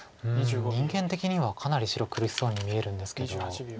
人間的にはかなり白苦しそうに見えるんですけど。